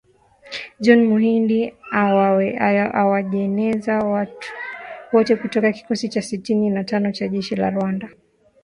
John Muhindi Uwajeneza wote kutoka kikosi cha sitini na tano cha jeshi la Rwanda